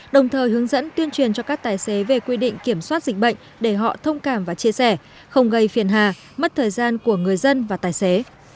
đồng thời hướng dẫn tuyên truyền cho các tài xế về quy định kiểm soát dịch bệnh để họ thông cảm và chia sẻ không gây phiền hà mất thời gian của người dân và tài xế